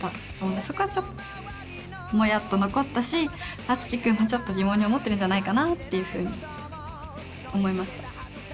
そこはちょっとモヤっと残ったしあつき君もちょっと疑問に思ってるんじゃないかなっていうふうに思いました。